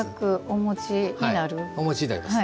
お餅になります。